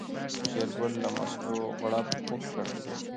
شېرګل له مستو غوړپ وکړ.